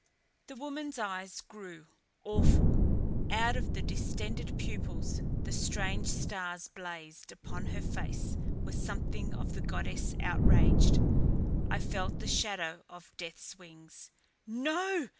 The woman's eyes grew awful. Out of the distended pupils the strange stars blazed; upon her face was something of the goddess outraged. I felt the shadow of Death's wings. "No!